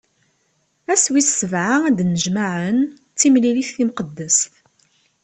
Ass wis sebɛa ad d-tennejmaɛem, d timlilit timqeddest.